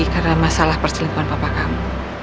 karena masalah perselipuan papa kamu